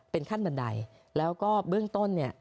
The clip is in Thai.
เป็นขั้นบันไดแล้วก็เบื้องต้นเนี่ย